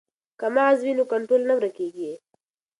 که مغز وي نو کنټرول نه ورکیږي.